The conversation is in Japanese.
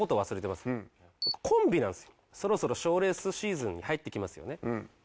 そろそろショーレースシーズンに入ってきますよね。